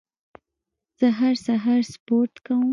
زه هر سهار سپورت کوم.